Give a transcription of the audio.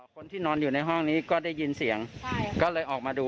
คนที่นอนอยู่ในห้องนี้ก็ได้ยินเสียงก็เลยออกมาดู